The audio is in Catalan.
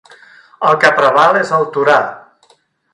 El que preval és el Torà.